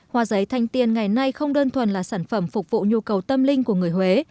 hoa giấy thanh tiên ngày nay không đơn thuần là sản phẩm phục vụ nhu cầu tâm linh của người huế